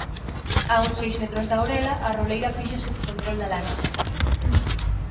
A uns seis metros da orela, a roleira fíxose co control da lancha.